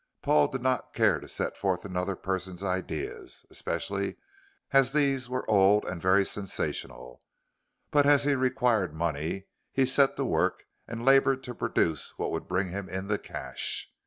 Paul did not care to set forth another person's ideas, especially as these were old and very sensational; but as he required money he set to work and labored to produce what would bring him in the cash.